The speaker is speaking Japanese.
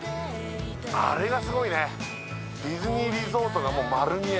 あれがすごいね、ディズニーリゾートがもう丸見え。